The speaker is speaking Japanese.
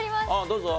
どうぞ。